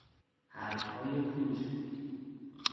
حرفهای پوچ